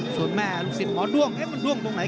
ส่วนแม่ลูกศิษย์หมอด้วงมันด้วงตรงไหน